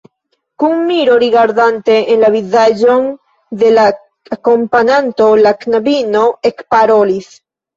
Kun miro rigardante en la vizaĝon de la akompananto, la knabino ekparolis.